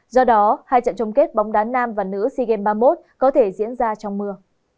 do đó hai trận chung kết bóng đá nam và nữ sea games ba mươi một có thể diễn ra trong mưa